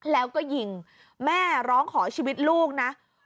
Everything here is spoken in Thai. แล้วก็ยิงแม่ร้องขอชีวิตลูกนะ